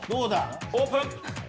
オープン。